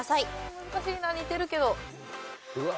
難しいな似てるけど。